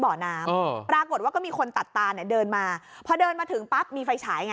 บ่อน้ำปรากฏว่าก็มีคนตัดตาเนี่ยเดินมาพอเดินมาถึงปั๊บมีไฟฉายไง